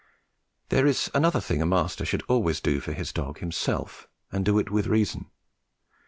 There is another thing a master should always do for his dog himself and do it with reason.